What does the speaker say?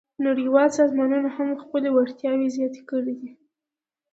نړیوال سازمانونه هم خپلې وړتیاوې زیاتې کړې دي